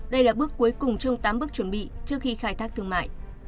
đây là bước cuối cùng trong tám bước chuẩn bị trước khi khai thác thương mại